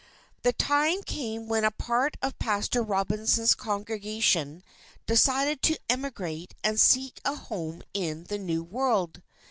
The time came when a part of Pastor Robinson's congregation decided to emigrate and seek a home in the New World.